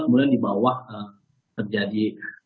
kemudian di bawah terjadi